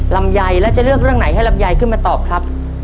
ลำไยแล้วจะเลือกเรื่องไหนให้ลำไยขึ้นมาตอบครับ